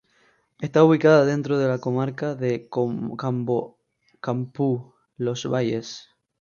Está ubicada dentro de la comarca de Campoo-Los Valles.